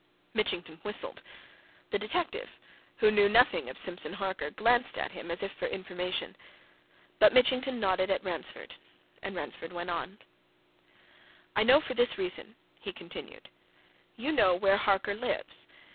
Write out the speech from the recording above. Mitchington whistled; the detective, who knew nothing of Simpson Harker, glanced at him as if for information. But Mitchington nodded at Ransford, and Ransford went on. "I know this for this reason," he continued. "You know where Harker lives.